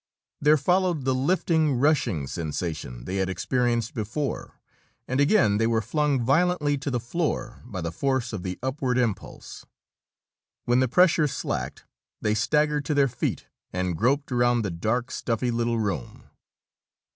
There followed the lifting, rushing sensation they had experienced before, and again they were flung violently to the flooring by the force of the upward impulse. When the pressure slacked, they staggered to their feet and groped around the dark, stuffy little room.